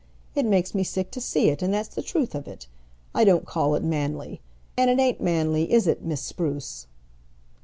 It makes me sick to see it, and that's the truth of it. I don't call it manly; and it ain't manly, is it, Miss Spruce?"